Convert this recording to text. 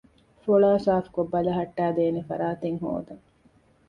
ފޮޅައި ސާފުކޮށް ބަލަހައްޓައިދޭނެ ފަރާތެއް ހޯދަން